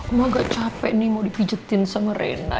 emang agak capek nih mau dipijetin sama rena